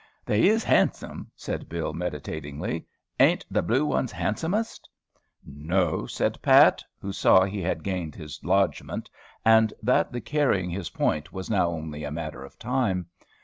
"They is handsome," said Bill, meditatingly. "Ain't the blue ones handsomest?" "No," said Pat, who saw he had gained his lodgment, and that the carrying his point was now only a matter of time.